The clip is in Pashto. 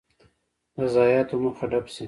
د ضایعاتو مخه ډب شي.